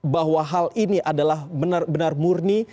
bahwa hal ini adalah benar benar murni